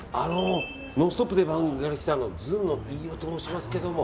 「ノンストップ！」という番組から来たずんの飯尾と申しますけども。